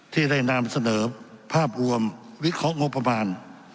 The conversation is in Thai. ที่ได้นำเสนอภาพรวมวิเคราะห์งบประมาณ